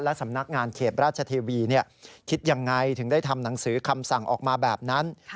สำนักงานเขตราชเทวีคิดยังไงถึงได้ทำหนังสือคำสั่งออกมาแบบนั้น